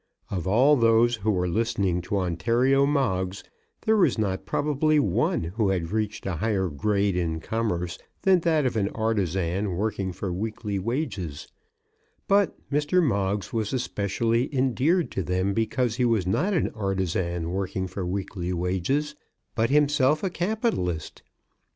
Of all those who were listening to Ontario Moggs there was not probably one who had reached a higher grade in commerce than that of an artizan working for weekly wages; but Mr. Moggs was especially endeared to them because he was not an artizan working for weekly wages, but himself a capitalist.